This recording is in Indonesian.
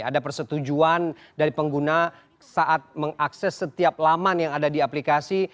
ada persetujuan dari pengguna saat mengakses setiap laman yang ada di aplikasi